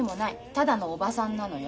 ただのおばさんなのよ。